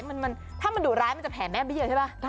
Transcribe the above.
ถ้ามันดุร้ายมันจะแผ่แม่ไปเยอะใช่ป่ะ